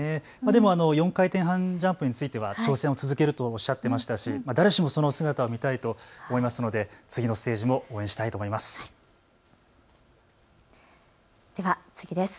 でも４回転半ジャンプについては挑戦を続けるとおっしゃっていましたし、誰しもその姿は見たいと思いますので次のステージも応援したいと思います。